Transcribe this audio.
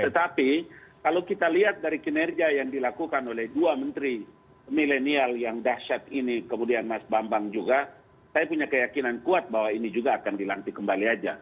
tetapi kalau kita lihat dari kinerja yang dilakukan oleh dua menteri milenial yang dahsyat ini kemudian mas bambang juga saya punya keyakinan kuat bahwa ini juga akan dilantik kembali saja